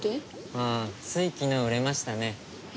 うん、つい昨日、売れましたね。